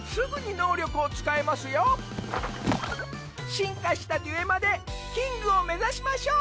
進化したデュエマでキングを目指しましょう。